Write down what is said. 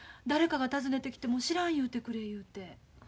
誰かが訪ねてきても知らん言うてくれ言うて。